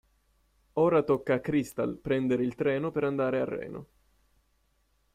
Ora tocca a Crystal prendere il treno per andare a Reno.